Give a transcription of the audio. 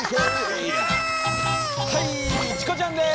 はいチコちゃんです！